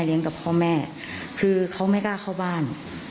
กับพ่อแม่คือเขาไม่กล้าเข้าบ้าน